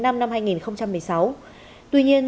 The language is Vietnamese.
năm hai nghìn một mươi sáu tuy nhiên